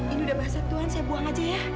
ini udah bahasa tuhan saya buang aja ya